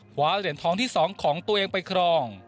คว้าเหรียญทองที่๒ของตัวเองไปครอง